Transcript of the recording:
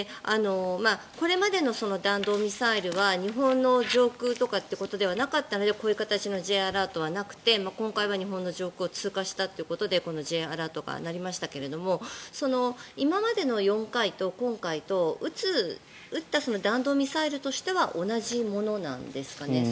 これまでの弾道ミサイルは日本の上空ということではなかったのでこういう形のＪアラートはなくて今回は日本の上空を通過したということでＪアラートが鳴りましたけど今までの４回と今回と撃った弾道ミサイルとしては同じものなんですかね。